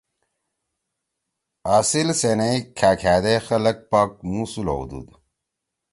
اصیل سینئی کھأ کھأدے خلگ پاک مُوسُول ہؤدُود۔